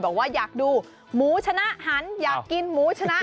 บอกว่าอยากดูหมูชนะหันอยากกินหมูชนะ